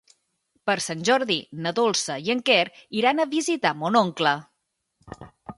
Per Sant Jordi na Dolça i en Quer iran a visitar mon oncle.